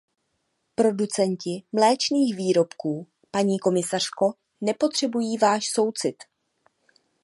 Producenti mléčných výrobků, paní komisařko, nepotřebují váš soucit.